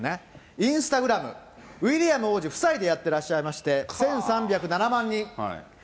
インスタグラム、ウィリアム王子夫妻でやってまして、１３０７万人。